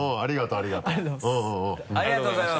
ありがとうございます！